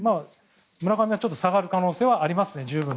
村上はちょっと下がる可能性は十分にありますね。